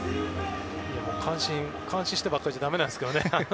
感心してばかりじゃだめなんですけどね。